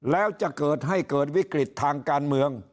แล้วจะเกิดให้เกิดวิกฤตทางการเมือง